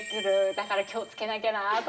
だから気をつけなきゃなと思って。